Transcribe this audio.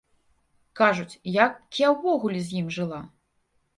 Кажуць, як я ўвогуле з ім жыла?